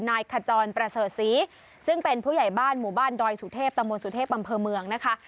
นายขจรประเสริฐศรีซึ่งเป็นผู้ใหญ่บ้านหมู่บ้านดอยสุเทพตะมนตสุเทพอำเภอเมืองนะคะ